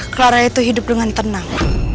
clara itu hidup dengan tenang